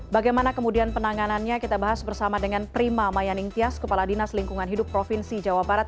bagaimana kemudian penanganannya kita bahas bersama dengan prima mayaning tias kepala dinas lingkungan hidup provinsi jawa barat